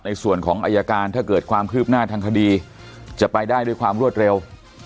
ในส่วนของอายการถ้าเกิดความคืบหน้าทางคดีจะไปได้ด้วยความรวดเร็ว